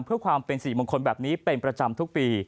เพื่อความเป็นสิริมงคลแบบนี้เป็นประจำทุกปี